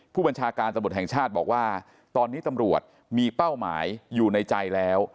ผู้บัญชาการตำรวจแห่งชาติบอกว่าตอนนี้ตำรวจมีเป้าหมายอยู่ในใจแล้ว